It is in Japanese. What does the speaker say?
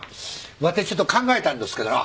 わてちょっと考えたんですけどな。